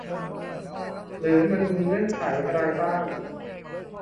หรือมันมีเงื่อนไขอะไรบ้าง